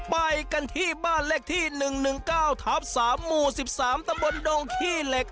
ไปกันที่บ้านเลขที่๑๑๙ทับ๓หมู่๑๓ตำบลดงขี้เหล็ก